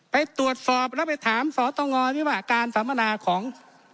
ไปตรวจสอบแล้วไปถามสตงนี่ว่าการสัมมนาของ